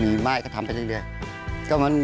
มีไม้ก็ทำไปจังเดียว